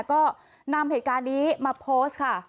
ก็นำเหตุการณ์นี้มาโพสต์ค่ะ